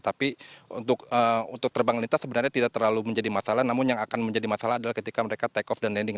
tapi untuk terbang lintas sebenarnya tidak terlalu menjadi masalah namun yang akan menjadi masalah adalah ketika mereka take off dan landing